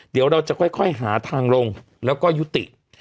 เดี๋ยวเราจะค่อยหาทางลงแล้วก็ยุติ